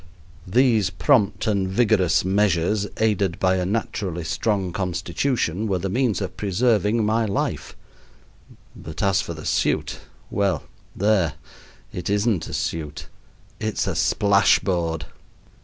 These prompt and vigorous measures, aided by a naturally strong constitution, were the means of preserving my life; but as for the suit! Well, there, it isn't a suit; it's a splash board.